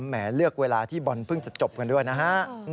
แหมเลือกเวลาที่บอลเพิ่งจะจบกันด้วยนะฮะ